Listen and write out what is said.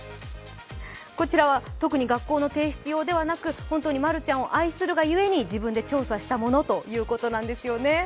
こちらは特に学校の提出用ではなく本当にまるちゃんを愛するがゆえに自分で調査したものということなんですね。